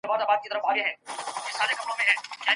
په کور کي د زده کړي لپاره فیس نه اخیستل کېږي.